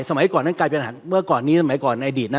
สมัยก่อนนั้นกลายเป็นอาหารเมื่อก่อนนี้สมัยก่อนในอดีตนะ